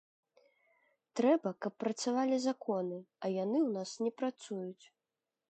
Трэба, каб працавалі законы, а яны ў нас не працуюць.